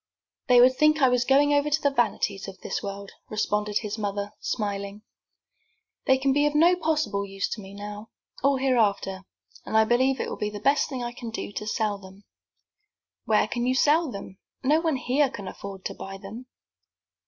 "They would think I was going over to the vanities of this world," responded his mother, smiling. "They can be of no possible use to me now, or hereafter, and I believe it will be the best thing I can do to sell them." "Where can you sell them? No one here can afford to buy them."